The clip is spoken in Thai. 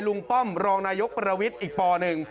ลุงป้อมรองนายกประวิทธิ์อีกปอหนึ่ง